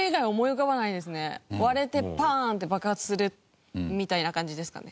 割れてパンッ！って爆発するみたいな感じですかね。